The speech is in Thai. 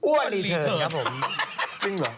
อ้วนรีเทิร์นครับผม